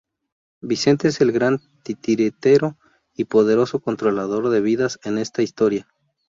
Vicente es el gran titiritero y poderoso controlador de vidas en esta historia.